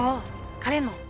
oh kalian mau